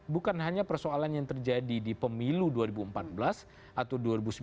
bukan hanya persoalan yang terjadi di pemilu dua ribu empat belas atau dua ribu sembilan belas